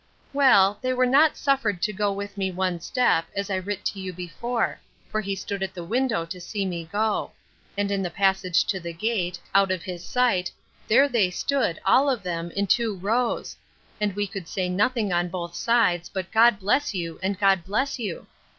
Well, they were not suffered to go with me one step, as I writ to you before; for he stood at the window to see me go. And in the passage to the gate, out of his sight, there they stood all of them, in two rows; and we could say nothing on both sides, but God bless you! and God bless you!